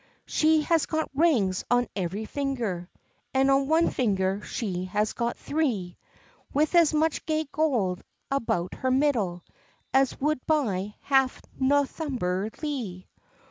"She has got rings on every finger, And on one finger she has got three; With as much gay gold about her middle As would buy half Northumberlee.